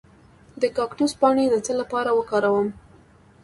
د کاکتوس پاڼې د څه لپاره وکاروم؟